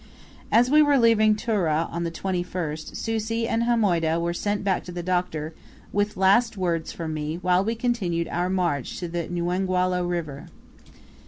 As we were leaving Tura, on the 21st, Susi and Hamoydah were sent back to the Doctor, with last words from me, while we continued our march to Nghwhalah River.